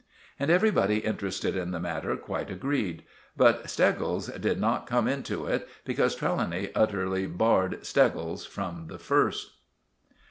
And everybody interested in the matter quite agreed; but Steggles did not come into it, because Trelawny utterly barred Steggles from the first.